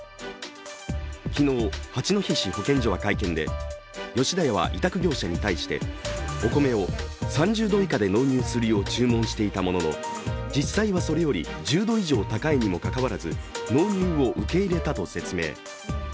昨日、八戸市保健所は会見で吉田屋は委託業者に対して、お米を３０度以下で納入するよう注文していたものの実際は、それより１０度以上高いにもかかわらず納入を受け入れたと説明。